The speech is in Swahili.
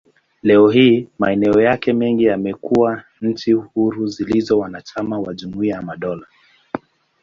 Leo hii, maeneo yake mengi yamekuwa nchi huru zilizo wanachama wa Jumuiya ya Madola.